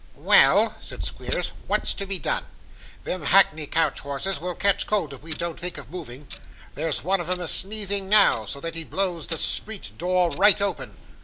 'Well,' said Squeers, 'what's to be done? Them hackney coach horses will catch cold if we don't think of moving; there's one of 'em a sneezing now, so that he blows the street door right open.